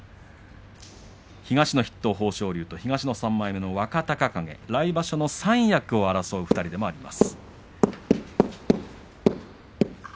東の筆頭の豊昇龍と東の３枚目の若隆景来場所の三役を争う２人です。